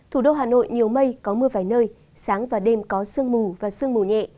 thủ đô hà nội nhiều mây có mưa vài nơi sáng và đêm có sương mù và sương mù nhẹ